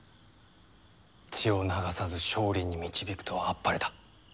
血を流さず勝利に導くとはあっぱれだ。